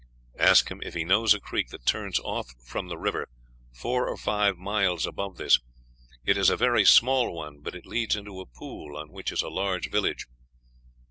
"Ask him if he knows a creek that turns off from the river four or five miles above this; it is a very small one, but it leads into a pool on which is a large village."